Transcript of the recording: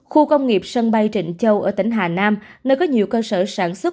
khu công nghiệp sân bay trịnh châu ở tỉnh hà nam nơi có nhiều cơ sở sản xuất